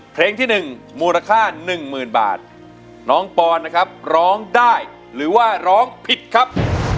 เพลงที่๑มูลค่าหนึ่งหมื่นบาทน้องปอนนะครับร้องได้หรือว่าร้องผิดครับ